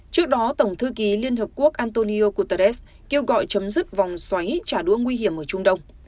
trước đó tổng thư ký liên hợp quốc antonio guterres kêu gọi chấm dứt vòng xoáy trả đũa nguy hiểm ở trung đông